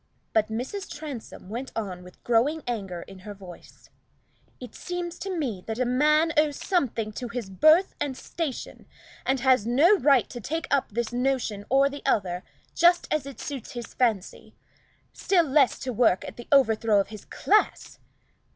But Mrs. Transome went on with growing anger in her voice "It seems to me that a man owes something to his birth and station, and has no right to take up this notion or other, just as it suits his fancy; still less to work at the overthrow of his class.